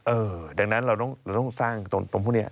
เออดังนั้นเราต้องสร้างตรงพวกนี้